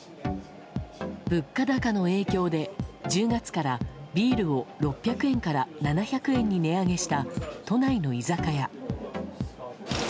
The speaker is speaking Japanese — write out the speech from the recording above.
物価高の影響で１０月からビールを６００円から７００円に値上げした都内の居酒屋。